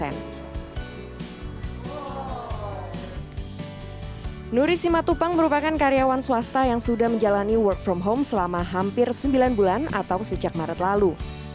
nuri simatupang merupakan karyawan swasta yang sudah menjalani work from home selama hampir sembilan bulan atau sejak maret lalu